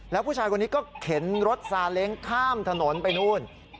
แล้วผู้ชายคนนี้ก็เข็นรถซาเล้งข้ามถนนไปนู่น